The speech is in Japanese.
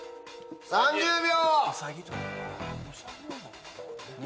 ３０秒！